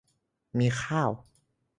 มีข้าว